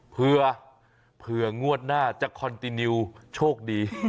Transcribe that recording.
เผื่องวดหน้าจะคอนตินิวโชคดี